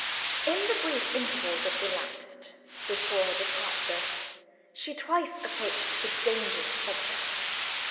In the brief interval that elapsed before her departure, she twice approached the dangerous subject.